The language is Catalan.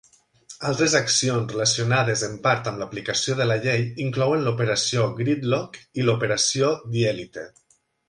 Altres accions relacionades en part amb l'aplicació de la llei inclouen l'operació Gridlock i l'operació D-Elite.